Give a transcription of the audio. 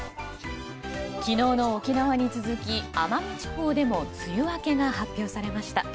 昨日の沖縄に続き、奄美地方でも梅雨明けが発表されました。